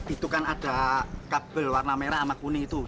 itu kan ada kabel warna merah sama kuning itu